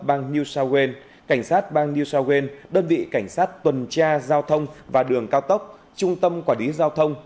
bang new south wales cảnh sát bang new south wales đơn vị cảnh sát tuần tra giao thông và đường cao tốc trung tâm quản lý giao thông